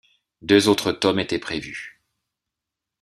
Deux autres tomes étaient prévus.